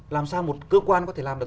làm sao một cơ quan có thể làm được